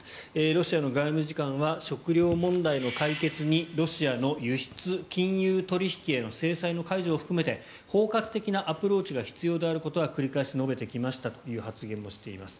ロシアの外務次官は食糧問題の解決にロシアの輸出・金融取引への制裁の解除を含めて包括的なアプローチが必要であることは繰り返し述べてきましたという発言もしています。